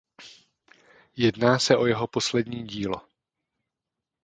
Jedná se o jeho poslední dílo.